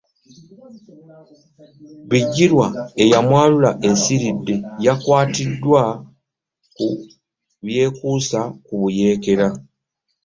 Bigirwa eyamwalula esiridde, yakwatiddwa ku byekuusa ku buyeekera.